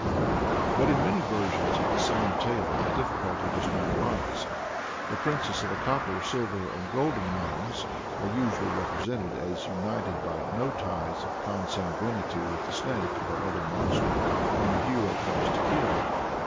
But in many versions of the same tale the difficulty does not arise. The princesses of the copper, silver, and golden realms, are usually represented as united by no ties of consanguinity with the snake or other monster whom the hero comes to kill.